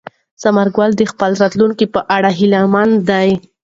ثمر ګل د خپل راتلونکي په اړه هیله من دی.